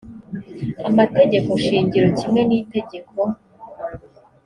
amategeko shingiro kimwe n’itegeko